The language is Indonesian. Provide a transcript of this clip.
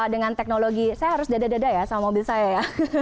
dengan teknologi saya harus dada dada ya sama mobil saya ya